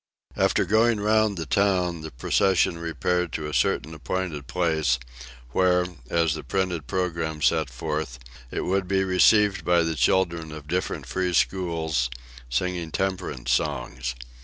After going round the town, the procession repaired to a certain appointed place, where, as the printed programme set forth, it would be received by the children of the different free schools, 'singing Temperance Songs.